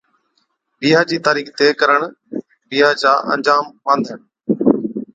بِيھا چِي تارِيخ طئي ڪرڻ (بِيھا چا آجام ٻانڌڻ)